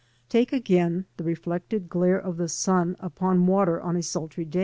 Take again, the reflected glare of the sun upon water on a sultry day.